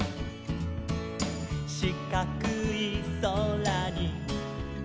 「しかくいそらに」